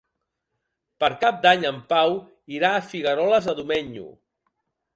Per Cap d'Any en Pau irà a Figueroles de Domenyo.